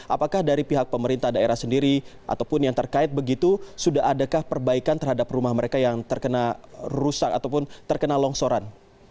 apakah dari pihak pemerintah daerah sendiri ataupun yang terkait begitu sudah adakah perbaikan terhadap rumah mereka yang terkena rusak ataupun terkena longsoran